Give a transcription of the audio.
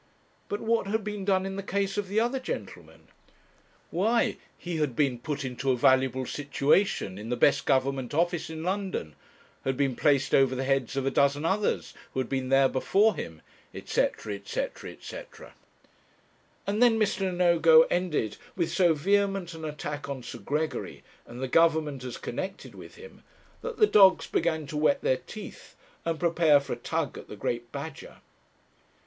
But what had been done in the case of the other gentleman? Why, he had been put into a valuable situation, in the best Government office in London, had been placed over the heads of a dozen others, who had been there before him, &c., &c., &c. And then Mr. Nogo ended with so vehement an attack on Sir Gregory, and the Government as connected with him, that the dogs began to whet their teeth and prepare for a tug at the great badger.